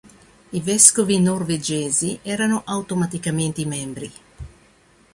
I vescovi norvegesi erano automaticamente membri.